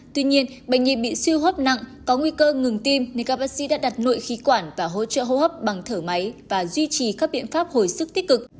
tuy nhiên bệnh nhi bị siêu hấp nặng có nguy cơ ngừng tim nên các bác sĩ đã đặt nội khí quản và hỗ trợ hô hấp bằng thở máy và duy trì các biện pháp hồi sức tích cực